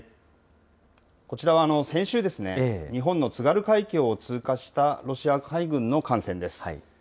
こちらは先週、日本の津軽海峡を通過したロシア海軍の艦船です。